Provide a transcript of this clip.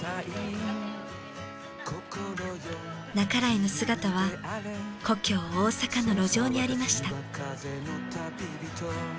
半井の姿は故郷大阪の路上にありました。